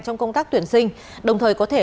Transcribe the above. trong công tác tuyển sinh đồng thời có thể